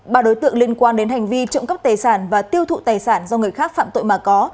ba đối tượng liên quan đến hành vi trộm cắp tài sản và tiêu thụ tài sản do người khác phạm tội mà có